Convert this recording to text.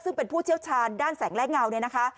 ซึ่งเป็นผู้เชี่ยวชาญด้านแสงและเงาเนี่ยนะคะ